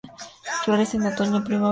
Florece en otoño, primavera e invierno.